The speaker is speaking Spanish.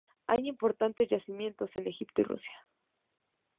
Hay importantes yacimientos en Egipto y Rusia.